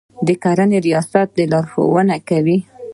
د کرنې ریاستونه لارښوونې کوي.